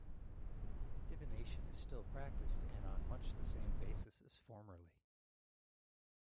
Divination is still practiced and on much the same basis as formerly.